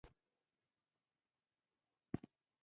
د اوزون طبقې ساتنه د هر انسان دنده ده.